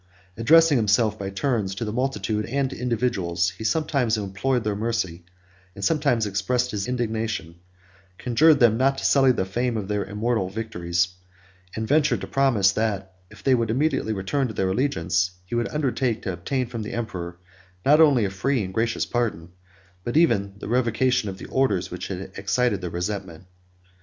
Addressing himself by turns to the multitude and to individuals, he sometimes implored their mercy, and sometimes expressed his indignation; conjured them not to sully the fame of their immortal victories; and ventured to promise, that if they would immediately return to their allegiance, he would undertake to obtain from the emperor not only a free and gracious pardon, but even the revocation of the orders which had excited their resentment.